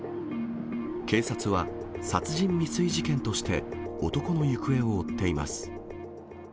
警察は、殺人未遂事件として、男の行方を追っています。